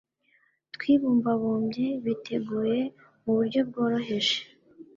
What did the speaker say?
twibumbabumbye, biteguye mu buryo bworoheje